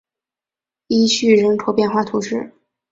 伊叙人口变化图示